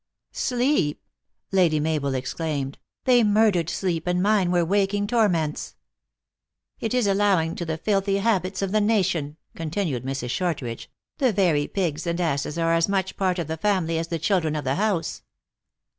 " Sleep !" Lady Mabel exclaimed, " they murdered sleep, and mine were waking torments." " It is allowing to the filthy habits of the nation, "con tinued Mrs. Shortridge. "The very pigs and asses are as much a part of the family as the children of the house."